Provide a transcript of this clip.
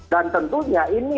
dan tentunya ini